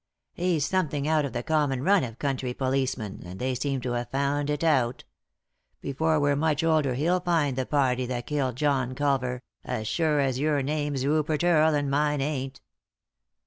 He's something out of the common run of country policemen, and they seem to have found it out. Before we're much older he'll find the party what killed John Culver, as sure as your name's Rupert Earle, and mine ain't."